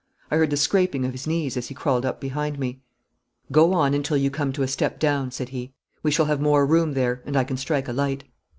I heard the scraping of his knees as he crawled up behind me. 'Go on until you come to a step down,' said he. 'We shall have more room there, and we can strike a light.'